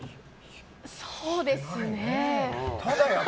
そうですね。